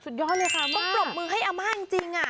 ต้องปรบมือให้อาม่าจริง